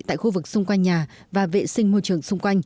tại khu vực xung quanh nhà và vệ sinh môi trường